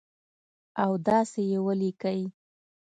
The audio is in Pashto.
او داسي یې ولیکئ